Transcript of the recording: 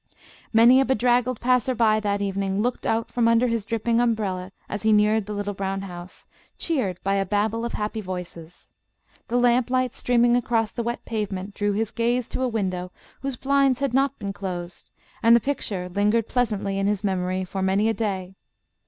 Many a bedraggled passer by that evening looked out from under his dripping umbrella as he neared the little brown house, cheered by a babel of happy voices. The lamplight streaming across the wet pavement drew his gaze to a window whose blinds had not been closed, and the picture lingered pleasantly in his memory for many a day.